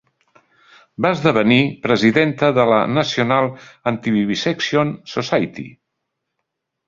Va esdevenir presidenta de la National Anti-Vivisection Society.